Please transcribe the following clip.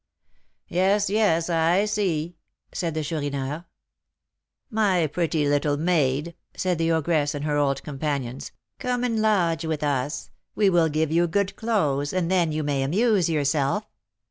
"Yes, yes, I see," said the Chourineur. "'My pretty little maid,' said the ogress and her old companions, 'come and lodge with us; we will give you good clothes, and then you may amuse yourself.'